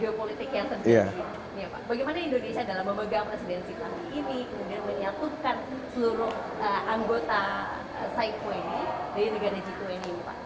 dan menyatukan seluruh anggota saitwenti di negara saitwenti ini pak